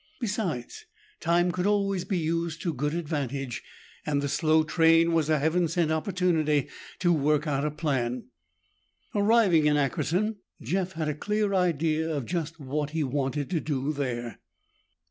Besides, time could always be used to good advantage and the slow train was a heaven sent opportunity to work out a plan. Arriving in Ackerton, Jeff had a clear idea of just what he wanted to do there.